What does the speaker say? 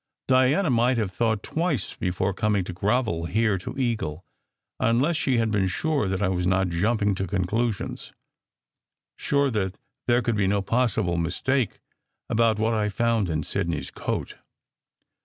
Diana might have thought twice before coming to grovel here to Eagle, unless she had been sure that I was not jumping to conclusions sure that there could be no possible mistake about what I had found in Sidney s coat.